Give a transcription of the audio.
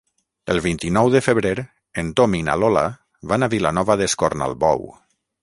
El vint-i-nou de febrer en Tom i na Lola van a Vilanova d'Escornalbou.